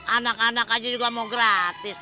anak anak aja juga mau gratis